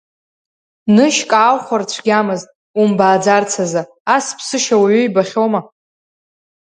Нышьк ааухәар цәгьамызт, умбааӡарц азы, ас ԥсышьа уаҩы ибахьоума.